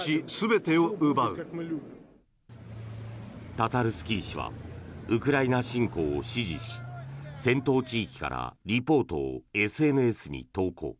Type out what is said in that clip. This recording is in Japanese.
タタルスキー氏はウクライナ侵攻を支持し戦闘地域からリポートをＳＮＳに投稿。